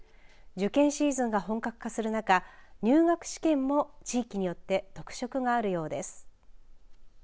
受験シーズンが本格化する中入学試験も地域によって特色があるようです。